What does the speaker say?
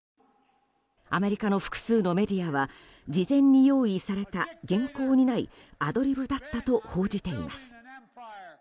アメリカの複数のメディアは事前に用意された原稿にないアドリブだったと報じています。